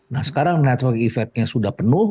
nah sekarang network effect nya sudah penuh